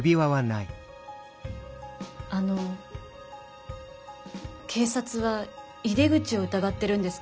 あの警察は井出口を疑ってるんですか？